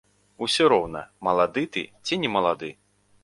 Усё роўна, малады ты ці не малады.